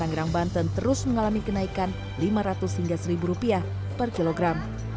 ranggerang banten terus mengalami kenaikan lima ratus hingga satu rupiah per kilogram